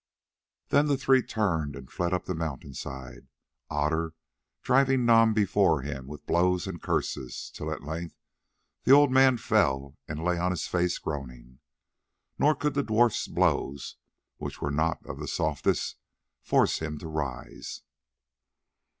Then the three turned and fled up the mountain side, Otter driving Nam before him with blows and curses, till at length the old man fell and lay on his face groaning. Nor could the dwarf's blows, which were not of the softest, force him to rise.